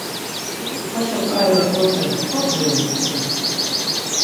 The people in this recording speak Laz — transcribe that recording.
Haşo ǩai oxorca so dziromt̆i!